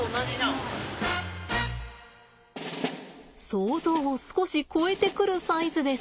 想像を少し超えてくるサイズです。